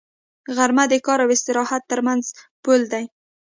غرمه د کار او استراحت تر منځ پل دی